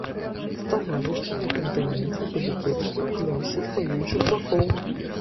Становішча на кантыненце былі кепскімі для ўсіх ваюючых бакоў.